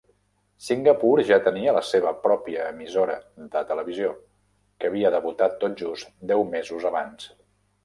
Singapur ja tenia la seva pròpia emissora de televisió, que havia debutat tot just deu mesos abans.